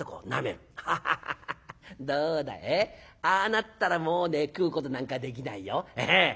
ああなったらもうね食うことなんかできないよ。